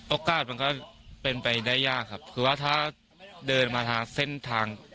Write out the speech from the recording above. โอกาสมันก็เป็นไปได้ยากครับคือว่าถ้าเดินมาหาเส้นทาง